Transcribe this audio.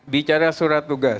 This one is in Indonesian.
bicara surat tugas